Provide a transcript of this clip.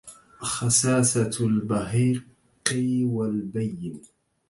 خساسة البيهقي والبينِ